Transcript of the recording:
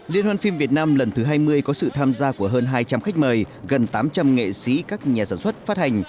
liên hoan phim việt nam lần thứ hai mươi có sự tham gia của hơn hai trăm linh khách mời gần tám trăm linh nghệ sĩ các nhà sản xuất phát hành